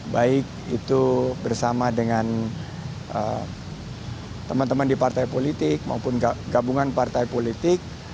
baik itu bersama dengan teman teman di partai politik maupun gabungan partai politik